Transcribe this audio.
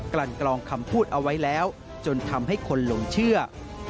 ลั่นกลองคำพูดเอาไว้แล้วจนทำให้คนหลงเชื่อ